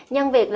nhân việc là